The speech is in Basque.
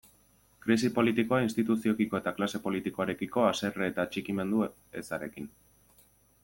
Krisi politikoa, instituzioekiko eta klase politikoarekiko haserre eta atxikimendu ezarekin.